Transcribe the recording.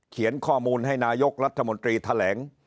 ข้อมูลให้นายกรัฐมนตรีแถลง